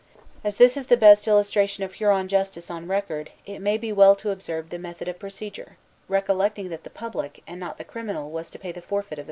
As this is the best illustration of Huron justice on record, it may be well to observe the method of procedure, recollecting that the public, and not the criminal, was to pay the forfeit of the crime.